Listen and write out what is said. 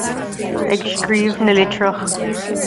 Ag scríobh na litreach.